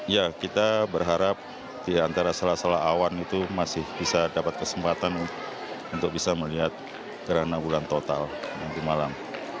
ya kita berharap di antara salah salah awan itu masih bisa dapat kesempatan untuk bisa melihat gerhana bulan total nanti malam